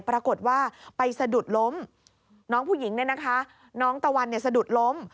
ปรากฏว่าไปสะดุดล้มน้องผู้หญิงเนี่ยนะคะน้องตะวันเนี่ยสะดุดล้ม